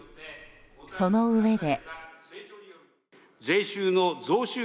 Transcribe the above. そのうえで。